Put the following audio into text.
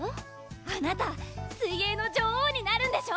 あなた水泳の女王になるんでしょ！